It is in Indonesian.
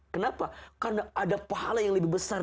kenapa karena ada pahala yang lebih besar